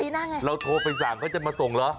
ปีหน้าไงเราโทรไปสั่งก็จะมาส่งเหรอ